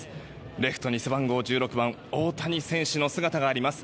レフトに背番号１６番大谷選手の姿があります。